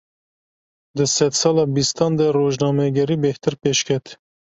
Di sedsala bîstan de, rojnamegerî bêhtir pêşket